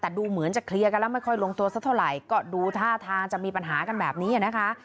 แต่ดูเหมือนจะเคลียร์กันแล้วไม่ค่อยลงตัวสักเท่าไหร่ก็ดูท่าทางจะมีปัญหากันแบบนี้นะคะ